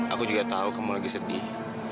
aku juga tahu kamu lagi sedih